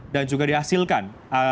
dan juga dihasilkan